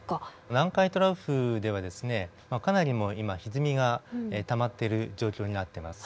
南海トラフではかなりもう今ひずみがたまっている状況になってます。